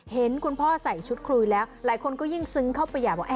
เห็นคุณพ่อใส่ชุดคุยแล้วหลายคนก็ยิ่งซึ้งเข้าไปใหญ่ว่า